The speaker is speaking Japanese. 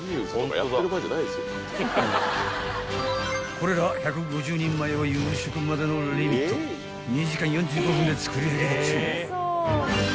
［これら１５０人前を夕食までのリミット２時間４５分で作り上げるっちゅう］